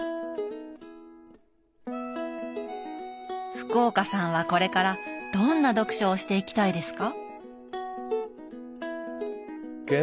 福岡さんはこれからどんな読書をしていきたいですか？